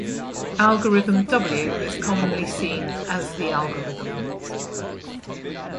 Algorithm W is commonly seen as the algorithm